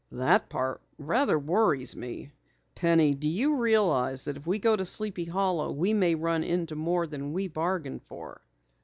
"That part rather worries me. Penny, do you realize that if we go to Sleepy Hollow we may run into more than we bargain for?"